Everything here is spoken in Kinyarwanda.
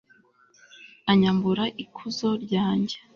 anyambura ikuzo ryanjye